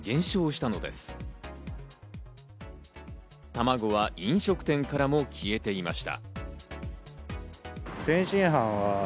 たまごは飲食店からも消えていました。